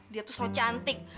dia tuh sok cantik